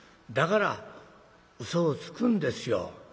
だからうそをつくんですよ。